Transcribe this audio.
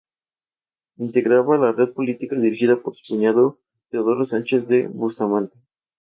Integraba la red política dirigida por su cuñado Teodoro Sánchez de Bustamante.